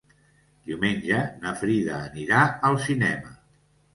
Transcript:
Diumenge na Frida anirà al cinema.